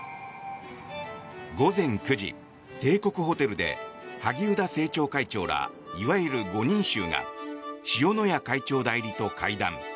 午前９時、帝国ホテルで萩生田政調会長らいわゆる５人衆が塩谷会長代理と会談。